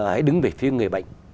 hãy đứng về phía người bệnh